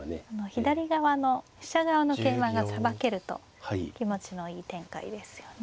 左側の飛車側の桂馬がさばけると気持ちのいい展開ですよね。